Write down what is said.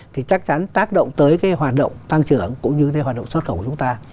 thì chắc chắn tác động tới cái hoạt động tăng trưởng cũng như cái hoạt động xuất khẩu của chúng ta